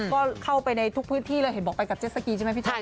ก็เข้าไปในทุกพื้นที่เลยเห็นบอกไปกับเจสสกีใช่ไหมพี่ไทย